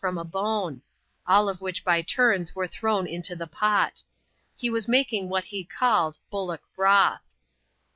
from a bone ; all of which, by tunis, were thrown into the pot He was making what he called " bullock broth."